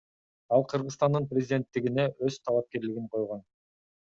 Ал Кыргызстандын президенттигине өз талапкерлигин койгон.